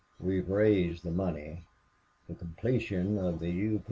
We've raised the money. The completion of the U.